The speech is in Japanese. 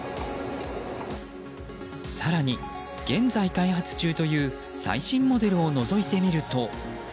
更に、現在開発中という最新モデルをのぞいてみると。